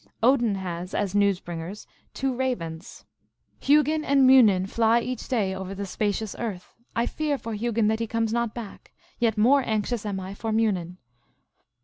Odin has, as news bringers, two ravens. " Hugin and Mimin Fly each day over the spacious earth. I fear for Hugin that he comes not back, yet more anxious am I for Munin."